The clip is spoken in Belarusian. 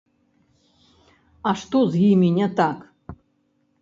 А што з імі не так?